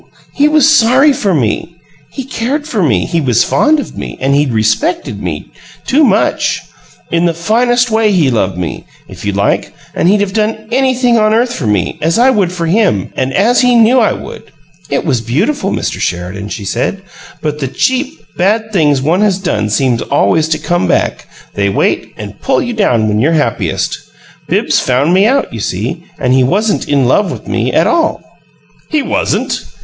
He was sorry for me. He cared for me; he was fond of me; and he'd respected me too much! In the finest way he loved me, if you like, and he'd have done anything on earth for me, as I would for him, and as he knew I would. It was beautiful, Mr. Sheridan," she said. "But the cheap, bad things one has done seem always to come back they wait, and pull you down when you're happiest. Bibbs found me out, you see; and he wasn't 'in love' with me at all." "He wasn't?